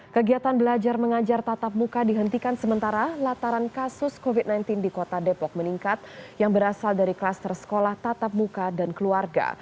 kegiatan belajar mengajar tatap muka dihentikan sementara lataran kasus covid sembilan belas di kota depok meningkat yang berasal dari klaster sekolah tatap muka dan keluarga